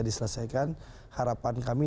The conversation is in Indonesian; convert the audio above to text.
diselesaikan harapan kami